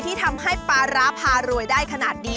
ที่ทำให้ปลาร้าพารวยได้ขนาดนี้